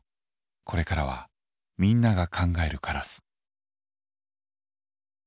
これからはみんなが「考えるカラス」。